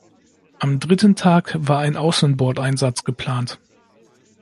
Am dritten Tag war ein Außenbordeinsatz geplant.